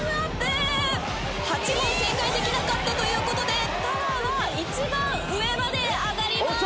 ８問正解できなかったということでタワーは一番上まで上がります。